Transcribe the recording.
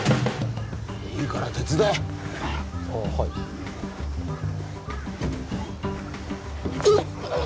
いいから手伝えああはいうっ